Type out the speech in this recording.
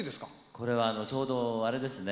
これはちょうどあれですね